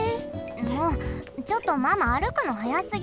もうちょっとママ歩くの速すぎ。